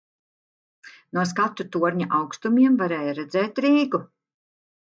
No skatu torņa augstumiem varēja redzēt Rīgu.